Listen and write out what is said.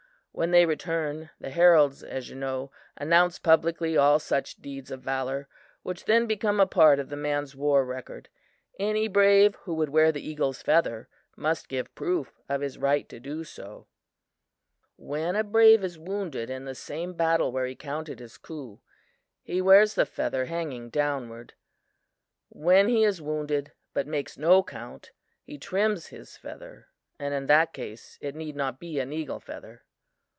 When they return, the heralds, as you know, announce publicly all such deeds of valor, which then become a part of the man's war record. Any brave who would wear the eagle's feather must give proof of his right to do so. "When a brave is wounded in the same battle where he counted his coup, he wears the feather hanging downward. When he is wounded, but makes no count, he trims his feather and in that case, it need not be an eagle feather.